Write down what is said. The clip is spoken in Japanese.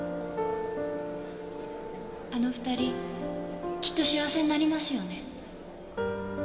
あの２人きっと幸せになりますよね？